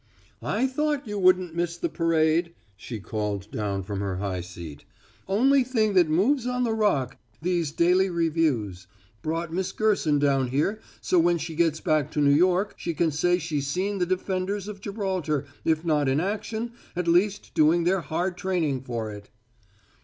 "I thought you wouldn't miss the parade," she called down from her high seat. "Only thing that moves on the Rock these daily reviews. Brought Miss Gerson down here so when she gets back to New York she can say she's seen the defenders of Gibraltar, if not in action, at least doing their hard training for it."